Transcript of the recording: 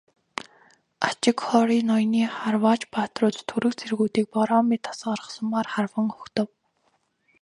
Ачигхори ноёны харваач баатрууд түрэг цэргүүдийг бороо мэт асгарах сумаар харван угтав.